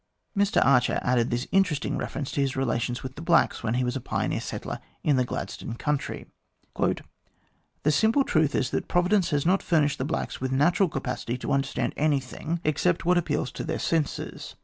Mr Archer added this interesting reference to his relations with the blacks when he was a pioneer settler in the Gladstone country: "The simple truth is that Providence has not furnished the blacks with natural capacity to understand anything except what THE GLADSTONE OF TO DAY 203 appeals to their senses.